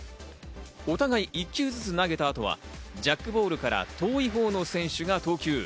お互い１球ずつ投げた後はジャックボールから遠いほうの選手が投球。